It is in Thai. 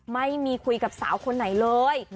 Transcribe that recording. ไม่มีคุยกับสาวคนไหนเลย